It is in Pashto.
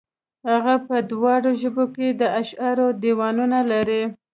هغه په دواړو ژبو کې د اشعارو دېوانونه لري.